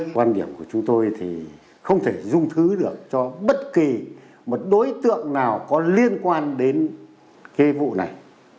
quan điểm của chúng tôi thì không thể dung thứ được cho bất kỳ một đối tượng nào có liên quan đến cái vụ này